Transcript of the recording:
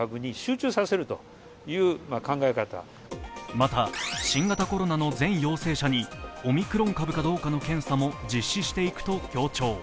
また新型コロナの全陽性者にオミクロン株かどうかの検査も実施していくと強調。